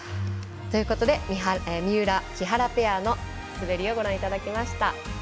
ということで三浦、木原ペアの滑りをご覧いただきました。